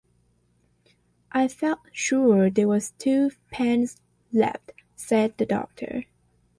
“I felt sure there was twopence left,” said the Doctor.